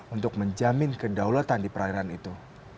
untuk menjamin kedaulatan di perairan itu